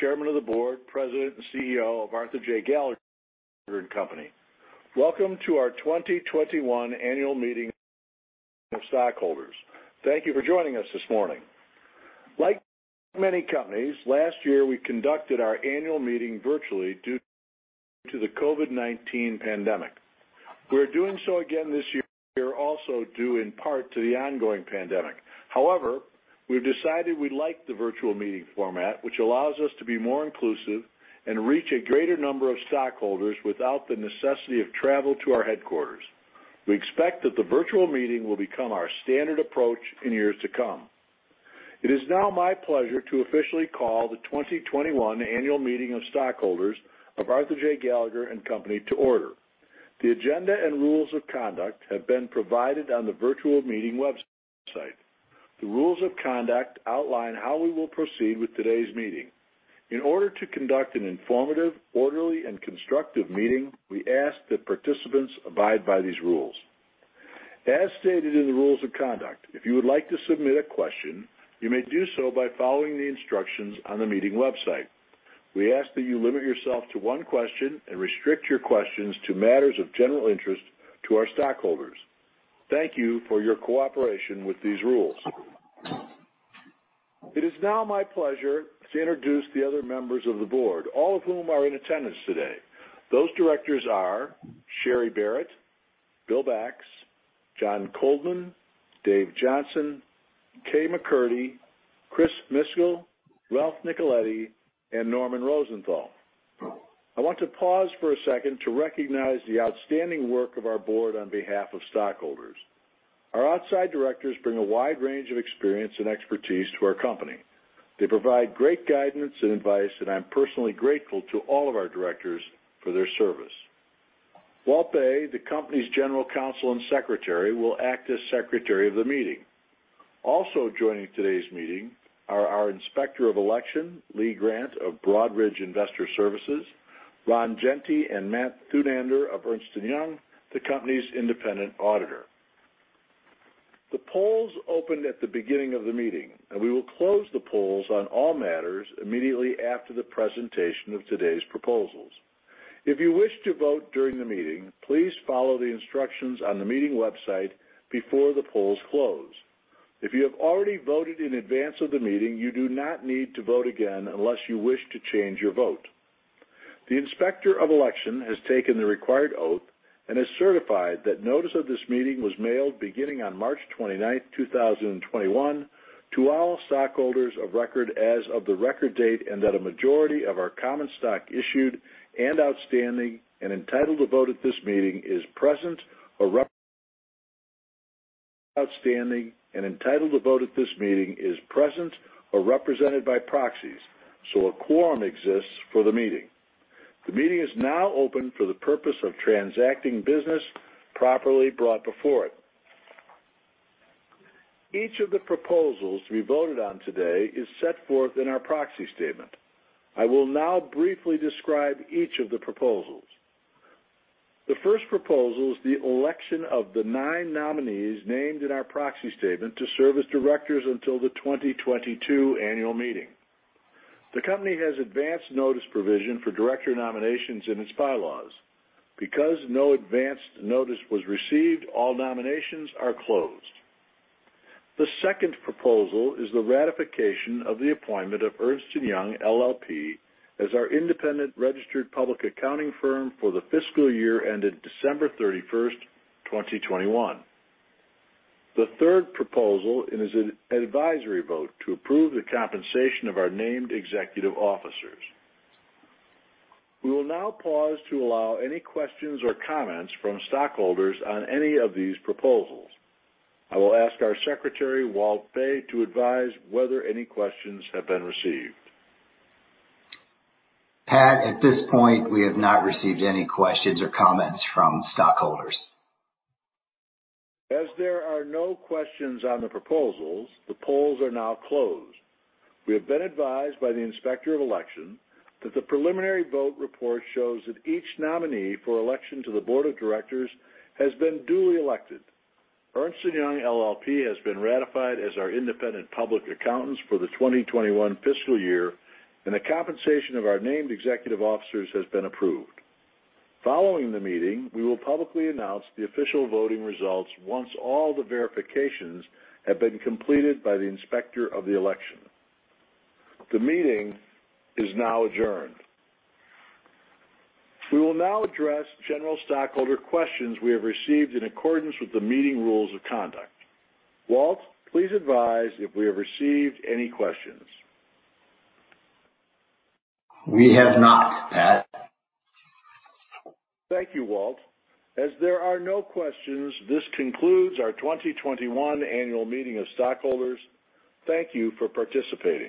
Chairman of the Board, President, and CEO of Arthur J. Gallagher & Company. Welcome to our 2021 Annual Meeting of Stockholders. Thank you for joining us this morning. Like many companies, last year we conducted our annual meeting virtually due to the COVID-19 pandemic. We are doing so again this year, also due in part to the ongoing pandemic. However, we've decided we'd like the virtual meeting format, which allows us to be more inclusive and reach a greater number of stockholders without the necessity of travel to our headquarters. We expect that the virtual meeting will become our standard approach in years to come. It is now my pleasure to officially call the 2021 Annual Meeting of Stockholders of Arthur J. Gallagher & Company to order. The agenda and rules of conduct have been provided on the virtual meeting website. The rules of conduct outline how we will proceed with today's meeting. In order to conduct an informative, orderly, and constructive meeting, we ask that participants abide by these rules. As stated in the rules of conduct, if you would like to submit a question, you may do so by following the instructions on the meeting website. We ask that you limit yourself to one question and restrict your questions to matters of general interest to our stockholders. Thank you for your cooperation with these rules. It is now my pleasure to introduce the other members of the board, all of whom are in attendance today. Those directors are Sherry Barratt, Bill Bax, John Coldman, Dave Johnson, Kay McCurdy, Chris Miskel, Ralph Nicoletti, and Norman Rosenthal. I want to pause for a second to recognize the outstanding work of our board on behalf of stockholders. Our outside directors bring a wide range of experience and expertise to our company. They provide great guidance and advice, and I'm personally grateful to all of our directors for their service. Walt Bay, the company's General Counsel and Secretary, will act as Secretary of the meeting. Also joining today's meeting are our inspector of election, Lee Grant of Broadridge Investor Services, Ryan Genty, and Matt Thunander of Ernst & Young, the company's independent auditor. The polls opened at the beginning of the meeting, and we will close the polls on all matters immediately after the presentation of today's proposals. If you wish to vote during the meeting, please follow the instructions on the meeting website before the polls close. If you have already voted in advance of the meeting, you do not need to vote again unless you wish to change your vote. The inspector of election has taken the required oath and has certified that notice of this meeting was mailed beginning on March 29, 2021, to all stockholders of record as of the record date, and that a majority of our common stock issued and outstanding and entitled to vote at this meeting is present or represented by proxies. The meeting is present or represented by proxies, so a quorum exists for the meeting. The meeting is now open for the purpose of transacting business properly brought before it. Each of the proposals to be voted on today is set forth in our proxy statement. I will now briefly describe each of the proposals. The first proposal is the election of the nine nominees named in our proxy statement to serve as directors until the 2022 Annual Meeting. The company has advanced notice provision for director nominations in its bylaws. Because no advanced notice was received, all nominations are closed. The second proposal is the ratification of the appointment of Ernst & Young, LLP, as our independent registered public accounting firm for the fiscal year ended December 31, 2021. The third proposal is an advisory vote to approve the compensation of our named executive officers. We will now pause to allow any questions or comments from stockholders on any of these proposals. I will ask our Secretary, Walt Bay, to advise whether any questions have been received. Pat, at this point, we have not received any questions or comments from stockholders. As there are no questions on the proposals, the polls are now closed. We have been advised by the inspector of election that the preliminary vote report shows that each nominee for election to the board of directors has been duly elected. Ernst & Young, LLP, has been ratified as our independent public accountants for the 2021 fiscal year, and the compensation of our named executive officers has been approved. Following the meeting, we will publicly announce the official voting results once all the verifications have been completed by the inspector of election. The meeting is now adjourned. We will now address general stockholder questions we have received in accordance with the meeting rules of conduct. Walt, please advise if we have received any questions. We have not, Pat. Thank you, Walt. As there are no questions, this concludes our 2021 Annual Meeting of Stockholders. Thank you for participating.